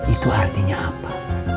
itu artinya apa